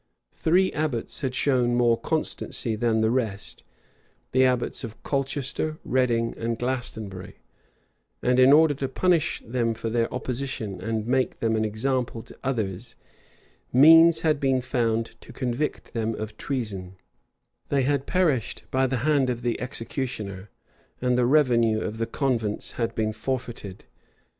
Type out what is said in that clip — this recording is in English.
[] Three abbots had shown more constancy than the rest, the abbots of Colchester, Reading, and Glastenbury; and in order to punish them for their opposition, and make them an example to others, means had been found to convict them of treason, they had perished by the hands of the executioner, and the revenue of the convents had been forfeited.